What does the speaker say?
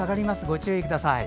ご注意ください。